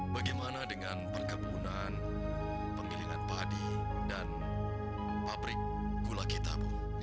bagaimana dengan perkebunan penggilingan padi dan pabrik gula kita bu